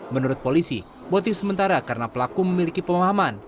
menurut polisi motif sementara karena pelaku memiliki pemahaman